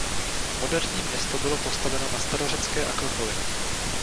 Moderní město bylo postaveno na starořecké akropoli.